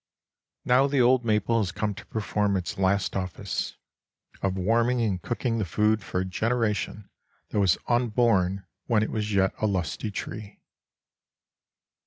Now the old maple has come to perform its last office, of warming and cooking the food for a generation that was unborn when it was yet a lusty tree.